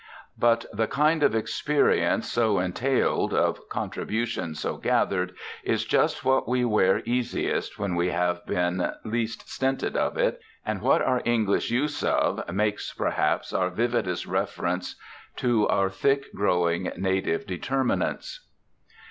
But the kind of experience so entailed, of contribution so gathered, is just what we wear easiest when we have been least stinted of it, and what our English use of makes perhaps our vividest reference to our thick growing native determinants."